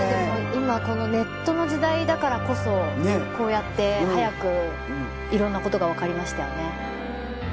今ネットの時代だからこそこうやって早くいろんなことが分かりましたよね。